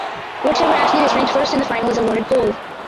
Whichever athlete is ranked first in the final is awarded gold.